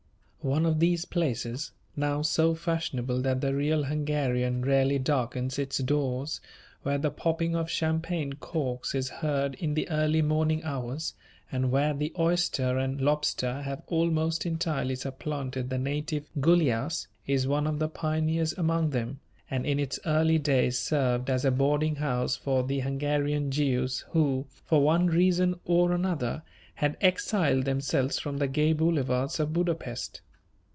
One of these places, now so fashionable that the real Hungarian rarely darkens its doors, where the popping of champagne corks is heard in the early morning hours, and where the oyster and lobster have almost entirely supplanted the native Gulyas, is one of the pioneers among them, and in its early days served as a boarding house for the Hungarian Jews who, for one reason or another, had exiled themselves from the gay boulevards of Budapest.